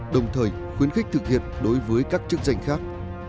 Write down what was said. đồng thời khuyến khích thực hiện đối với các chức danh khác